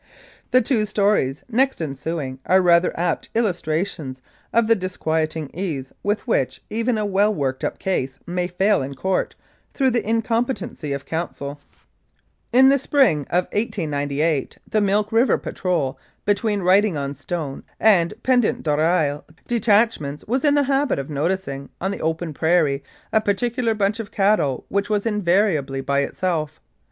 The two stories next ensuing are rather apt illustra tions of the disquieting ease with which even a well worked up case may fail in court through the incompetency of counsel. 286 Humours and Uncertainties of the Law In the spring of 1898 the Milk River patrol between Writing on Stone and Pendant d'Oreille detachments was in the habit of noticing on the open prairie a particular bunch of cattle which was invariably by itself.